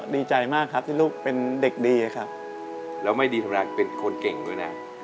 ดีใจมากครับที่ลูกเป็นเด็กดีครับแล้วไม่ดีสำหรับเป็นคนเก่งด้วยนะ